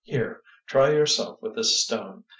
Here, try yourself with this stone."